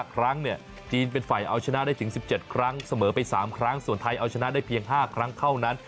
ครั้งจีนเป็นฝ่ายเอาชนะได้ถึง๑๗ครั้งเสมอไป๓ครั้งส่วนไทยเอาชนะได้เพียง๕ครั้งเท่านั้น